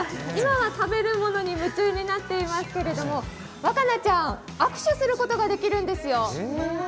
今は食べるものに夢中になっていますけれども和奏ちゃん、握手することができるんですよ。